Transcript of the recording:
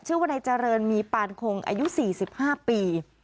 ชื่อว่านายเจริญมีปานคงอายุ๔๕ปี